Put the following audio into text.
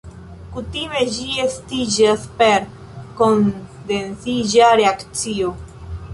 Kutime ĝi estiĝas per kondensiĝa reakcio.